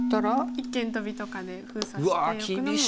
一間トビとかで封鎖しておくのも。